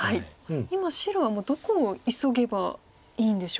今白はどこを急げばいいんでしょうか。